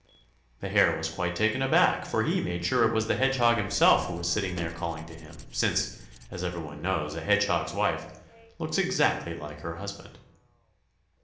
The Hare was quite taken aback, for he made sure it was the Hedgehog himself who was sitting there calling to him, since, as every one knows, a hedgehog's wife looks exactly like her husband.